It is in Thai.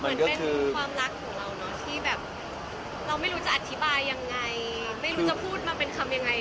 เหมือนเป็นความรักของเราเนอะที่แบบเราไม่รู้จะอธิบายยังไงไม่รู้จะพูดมาเป็นคำยังไง